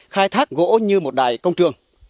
khai thác gỗ như một đài công trường